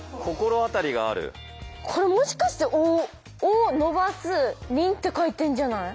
これもしかして「お」「お」伸ばす「りん」って書いてんじゃない？